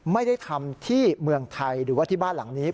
ไม่ได้ทำที่เมืองไทยหรือว่าที่บ้านหลังนี้